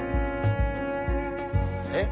えっ？